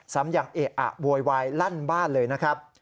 ซ้ำอย่างเอะอะโวยวายลั่นบ้านเลยนะครับ